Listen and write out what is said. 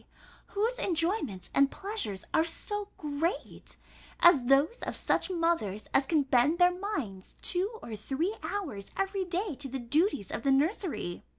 whose enjoyments and pleasures are so great, as those of such mothers as can bend their minds two or three hours every day to the duties of the nursery?